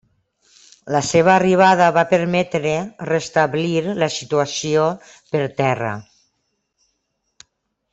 La seva arribada va permetre restablir la situació per terra.